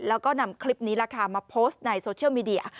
แล้วก็นำคลิปนี้ราคามาโพสต์ในโซเชียลมีเดีย